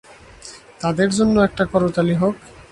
তাদের জন্যও একটা করতালি হোক।